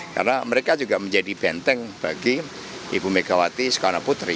karena mereka juga menjadi benteng bagi ibu megawati soekarno putri